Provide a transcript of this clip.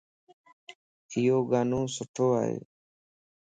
ايو ڳانو سٺو ائي.